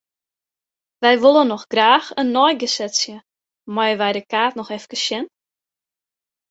Wy wolle noch graach in neigesetsje, meie wy de kaart noch efkes sjen?